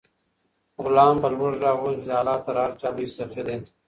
غلام په لوړ غږ وویل چې الله تر هر چا لوی سخي دی.